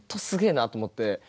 すげえなと思って。